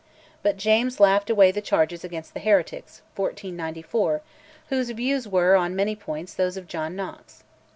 But James laughed away the charges against the heretics (1494), whose views were, on many points, those of John Knox.